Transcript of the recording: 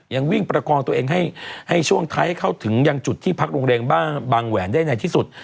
ยังวิ่งประกองตัวเองให้ช่วงท้ายเข้าถึงยังจุดที่พักโรงเรียนบ้านบางแหวนได้ในที่สุด